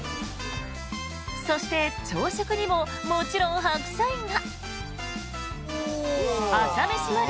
そして、朝食にももちろんハクサイが。